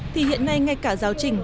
thì hiện nay ngay cả giáo trinh